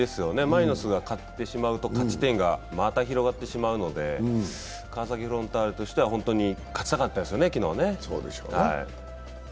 マリノスが勝ってしまうと、勝ち点がまた広がってしまうので川崎フロンターレとしては本当に勝ちたかったですよね、昨日ね。